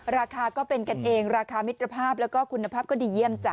ราคาก็เป็นกันเองราคามิตรภาพแล้วก็คุณภาพก็ดีเยี่ยมจ้ะ